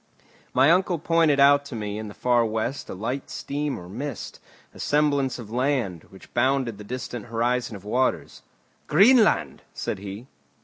My uncle pointed out to me in the far west a light steam or mist, a semblance of land, which bounded the distant horizon of waters. "Greenland!" said he.